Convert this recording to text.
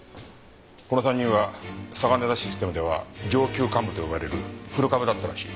この３人はサガネダ・システムでは上級幹部と呼ばれる古株だったらしい。